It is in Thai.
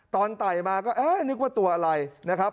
ไต่มาก็เอ๊ะนึกว่าตัวอะไรนะครับ